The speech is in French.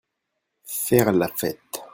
Faire la fête.